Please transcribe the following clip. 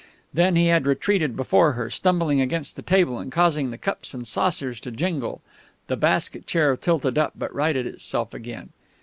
Then he had retreated before her, stumbling against the table and causing the cups and saucers to jingle. The basket chair tilted up, but righted itself again.